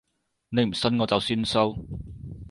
你唔信我就算數